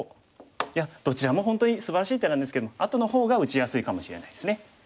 いやどちらも本当にすばらしい手なんですけれどもあとの方が打ちやすいかもしれないですね。